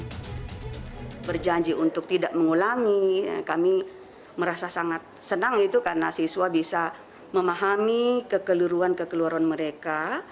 saya berjanji untuk tidak mengulangi kami merasa sangat senang itu karena siswa bisa memahami kekeluruhan kekeluaran mereka